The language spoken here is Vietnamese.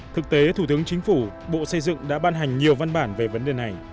thực tế thủ tướng chính phủ bộ xây dựng đã ban hành nhiều văn bản về vấn đề này